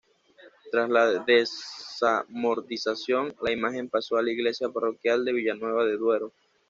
Tras la desamortización la imagen pasó a la iglesia parroquial de Villanueva de Duero.